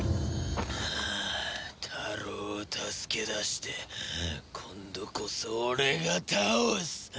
タロウを助け出して今度こそ俺が倒す！